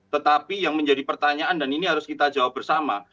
tetapi yang menjadi pertanyaan dan ini harus kita jawab bersama